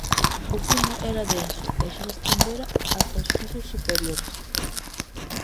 O fume era denso e xa se estendera ata os pisos superiores.